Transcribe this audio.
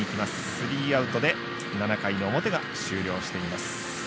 スリーアウトで７回の表が終了しています。